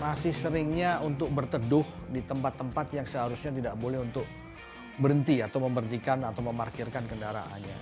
masih seringnya untuk berteduh di tempat tempat yang seharusnya tidak boleh untuk berhenti atau membersihkan atau memarkirkan kendaraannya